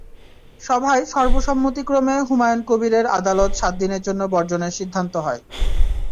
সভায় সর্বসম্মতিক্রমে হুমায়ন কবীরের আদালত সাত দিনের জন্য বর্জনের সিদ্ধান্ত হয়।